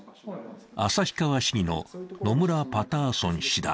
旭川市議の野村パターソン氏だ。